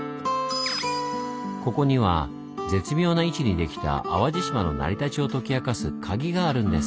ここには絶妙な位置にできた淡路島の成り立ちを解き明かすカギがあるんです。